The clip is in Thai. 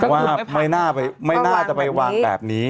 ว่าไม่น่าจะไปวางแบบนี้